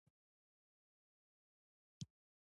دا پیسې په خپله لومړنۍ اندازه نه وي